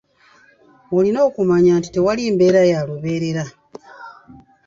Olina okumanya nti tewali mbeera ya lubeerera